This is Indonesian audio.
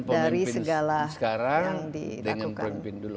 itulah perbedaan pemimpin sekarang dengan pemimpin dulu